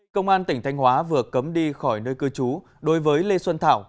công an tỉnh thanh hóa vừa cấm đi khỏi nơi cư trú đối với lê xuân thảo